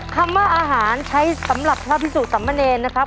คำว่าอาหารใช้สำหรับพระพิสูจน์ตำแหนนนะครับ